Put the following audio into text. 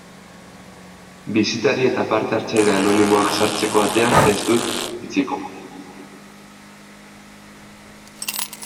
Bisitari eta parte hartzaile anonimoak sartzeko atea ez dut itxiko.